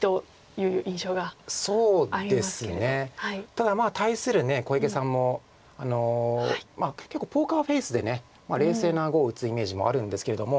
ただ対する小池さんも結構ポーカーフェースで冷静な碁を打つイメージもあるんですけれども。